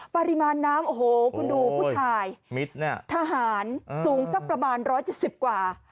ปริมาณน้ำโอ้โหคุณดูผู้ชายมิดเนี่ยทหารสูงสักประมาณร้อยเจ็ดสิบกว่า